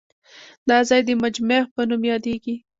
دا ځای د مجمع په نوم یادېږي.